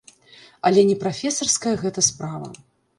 Але не прафесарская гэта справа.